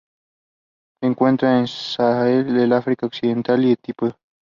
Se encuentra en el Sahel, el África Occidental y Etiopía.